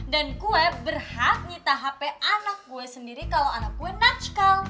dan gue berhak ngita hp anak gue sendiri kalau anak gue natchkal